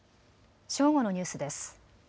正午のニュースです。